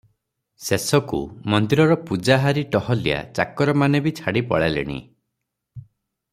ଶେଷକୁ ମନ୍ଦିରର ପୂଜାହାରୀ ଟହଲିଆ ଚାକରମାନେ ବି ଛାଡ଼ି ପଳାଇଲେଣି ।